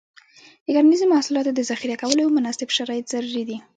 د کرنیزو محصولاتو د ذخیره کولو مناسب شرایط ضروري دي.